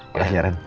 boleh ya ren